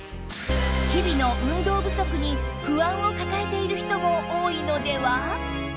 日々の運動不足に不安を抱えている人も多いのでは？